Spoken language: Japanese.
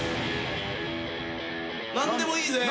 ・何でもいいぜ。